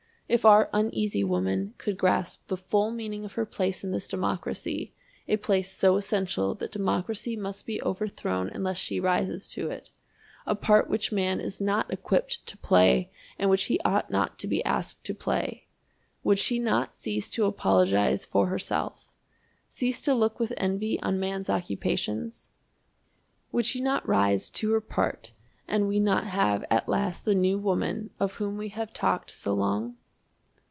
If our Uneasy Woman could grasp the full meaning of her place in this democracy, a place so essential that democracy must be overthrown unless she rises to it a part which man is not equipped to play and which he ought not to be asked to play, would she not cease to apologize for herself cease to look with envy on man's occupations? Would she not rise to her part and we not have at last the "new woman" of whom we have talked so long?